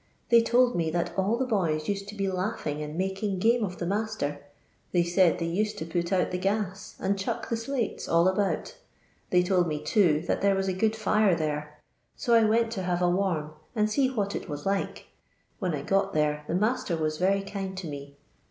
They told me that all the boys used to be laughing and making game of the master. They said thc^' used to put out the gas and chuck the slates all about. They told me, too, that there was a good fire there, so I went to have a warm and see what it was like. When I got there the master was very kind to me.